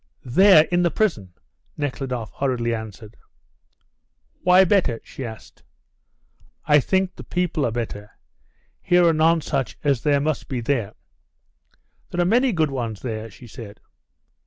"There in the prison," Nekhludoff hurriedly answered. "Why better?" she asked. "I think the people are better. Here are none such as there must be there." "There are many good ones there," she said.